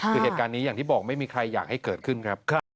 คือเหตุการณ์นี้อย่างที่บอกไม่มีใครอยากให้เกิดขึ้นครับ